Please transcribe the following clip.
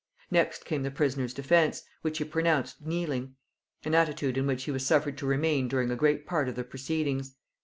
Next came the prisoner's defence, which he pronounced kneeling; an attitude in which he was suffered to remain during a great part of the proceedings.